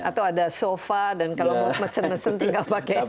atau ada sofa dan kalau mau mesen mesin tinggal pakai